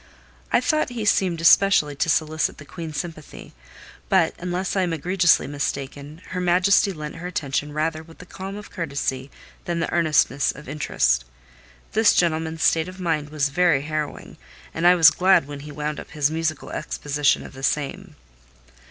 I thought he seemed especially to solicit the Queen's sympathy; but, unless I am egregiously mistaken, her Majesty lent her attention rather with the calm of courtesy than the earnestness of interest. This gentleman's state of mind was very harrowing, and I was glad when he wound up his musical exposition of the same.